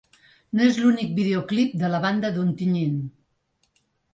No és l’únic videoclip de la banda d’Ontinyent.